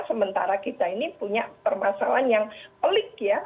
sementara kita ini punya permasalahan yang pelik ya